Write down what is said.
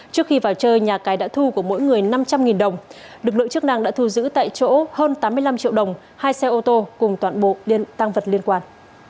trước khi vào chơi nhà cái đã thu của mỗi người năm trăm linh đồng lực lượng chức năng đã thu giữ tại chỗ hơn tám mươi năm triệu đồng hai xe ô tô cùng toàn bộ tăng vật liên quan